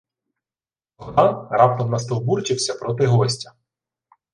Богдан раптом настовбурчився проти гостя: